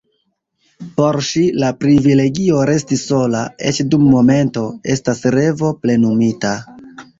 Por ŝi, la privilegio resti sola, eĉ dum momento, estas revo plenumita.